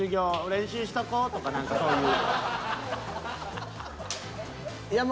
練習しとこう」とか何かそういう。